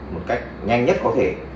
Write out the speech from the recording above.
một cách nhanh nhất có thể